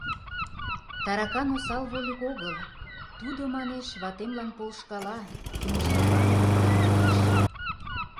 — Таракан осал вольык огыл, тудо, манеш, ватемлан полышкала: кӱмыж-совлам эрыкта, манеш.